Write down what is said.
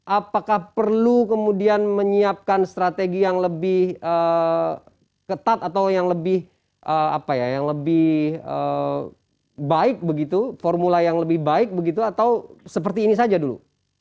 apakah perlu kemudian menyiapkan strategi yang lebih ketat atau yang lebih baik begitu formula yang lebih baik begitu atau seperti ini saja dulu